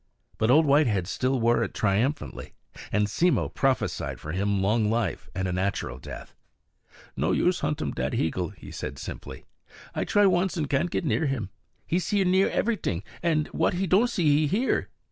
But Old Whitehead still wore it triumphantly; and Simmo prophesied for him long life and a natural death. "No use hunt um dat heagle," he said simply. "I try once an' can't get near him. He see everyt'ing; and wot he don't see, he hear.